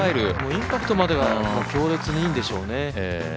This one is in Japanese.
インパクトは強烈にいいんでしょうね。